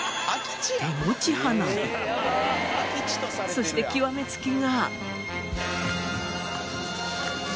そして極めつきが。